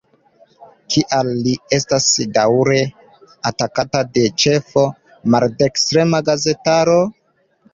Kial li estas daŭre atakata de ĉefe maldekstrema gazetaro?